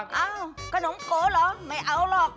เอ้าขนมโกเหรอไม่เอาหรอก